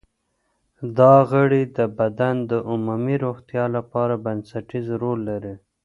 دا غړي د بدن د عمومي روغتیا لپاره بنسټیز رول لري.